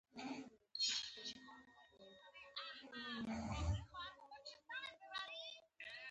په دغه شپه انجنیر تواب بالاکرزی تیلفون وکړ.